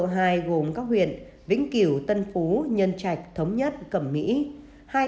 cùng các huyện vĩnh kiểu tân phú nhân trạch thống nhất cẩm mỹ